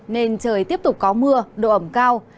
nên trời tiếp tục có mưa độ ẩm cao